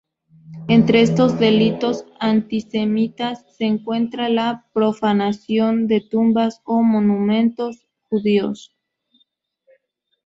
Entre estos delitos antisemitas se encuentra la profanación de tumbas o monumentos judíos.